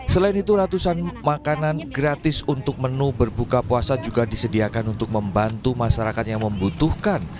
selain itu ratusan makanan gratis untuk menu berbuka puasa juga disediakan untuk membantu masyarakat yang membutuhkan